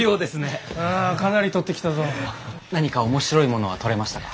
何か面白いものは採れましたか？